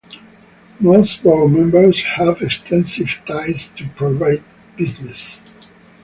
Most board members have extensive ties to private businesses.